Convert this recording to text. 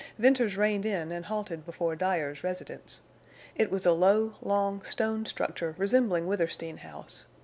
Venters reined in and halted before Dyer's residence. It was a low, long, stone structure resembling Withersteen House.